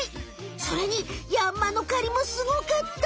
それにヤンマのかりもすごかった！